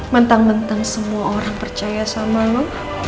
mentang mentang semua orang percaya sama lo